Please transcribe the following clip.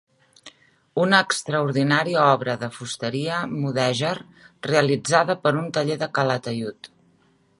Una extraordinària obra de fusteria mudèjar realitzada per un taller de Calataiud.